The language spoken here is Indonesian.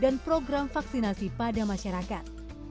dan juga program vaksinasi pada masyarakat